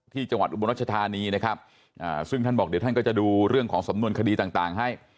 จังหวัดอุบลรัชธานีนะครับซึ่งท่านบอกเดี๋ยวท่านก็จะดูเรื่องของสำนวนคดีต่างให้